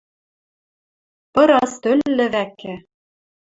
Пыра стӧл лӹвӓкӹ